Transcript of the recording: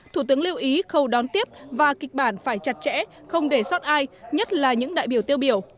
thủ tướng lưu ý khâu đón tiếp và kịch bản phải chặt chẽ không để sót ai nhất là những đại biểu tiêu biểu